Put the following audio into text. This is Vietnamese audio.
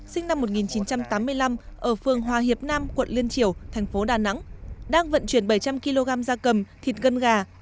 sinh năm một nghìn chín trăm tám mươi năm ở phương hòa hiệp nam quận liên triều thành phố đà nẵng đang vận chuyển bảy trăm linh kg da cầm thịt gân gà